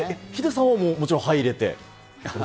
ヒデさんはもちろん入れて？